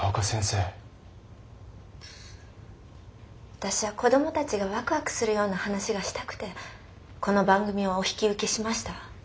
私は子どもたちがわくわくするような話がしたくてこの番組をお引き受けしました。